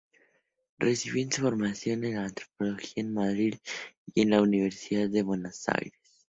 Recibió su formación en antropología en Madrid y en la Universidad de Buenos Aires.